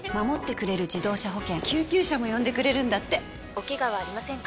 ・おケガはありませんか？